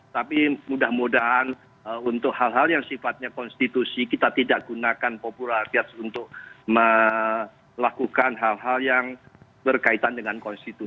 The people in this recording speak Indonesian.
tapi mudah mudahan untuk hal hal yang sifatnya konstitusi kita tidak gunakan popularitas untuk melakukan hal hal yang berkaitan dengan konstitusi